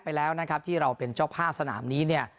ไปแล้วนะครับที่เราเป็นเจ้าภาพสนามนี้เนี่ย